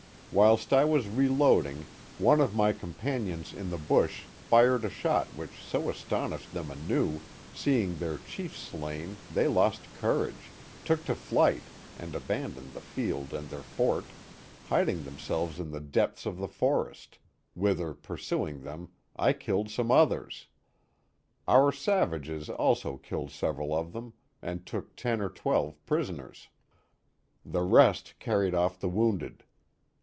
Whilst I was reloading, one of my companions in the bush fired a shot which so astonished them anew, seeing their chiefs slain, they lost courage, took to flight and abandoned the field and their fort, hiding themselves in the depths of the forest, whither pursuing them, I killed some others. Our savages also killed several of them and took ten or twelve prisoners. The rest carried off the wounded.